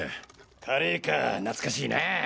カレーか懐かしいなぁ。